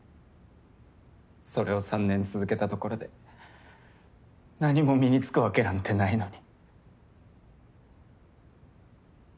それを３年続けたところで何も身につくわけなんてないのに。